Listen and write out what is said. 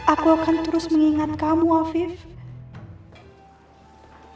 aku akan terus mengingat kamu alvin